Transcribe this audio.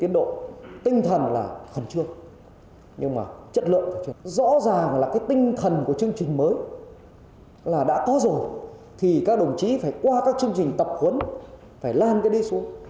đã có rồi thì các đồng chí phải qua các chương trình tập huấn phải lan cái đi xuống